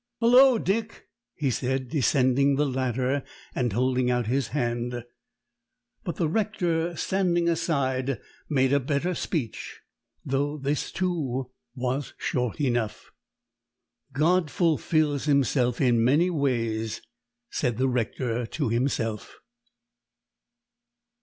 "Hullo, Dick!" he said, descending the ladder and holding out his hand. But the Rector, standing aside, made a better speech; though this, too, was short enough. "God fulfils Himself in many ways," said the Rector to himself.